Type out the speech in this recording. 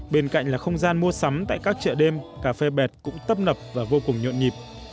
bên cạnh là không gian mua sắm tại các chợ đêm cà phê bẹt cũng tấp nập và vô cùng nhộn nhịp